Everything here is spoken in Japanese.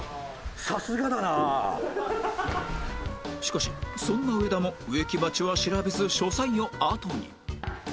しかしそんな上田も植木鉢は調べず書斎をあとに